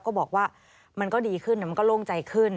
ก็บอกว่ามันก็ดีขึ้นมันก็โล่งใจขึ้น